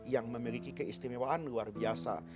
yang memiliki keistimewaan luar biasa